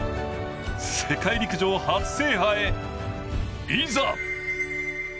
世界陸上初制覇へ、いざ。